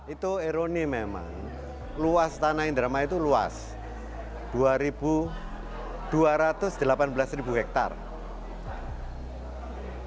itu eroni memang luas tanah indramayu itu luas dua dua ratus delapan belas hektare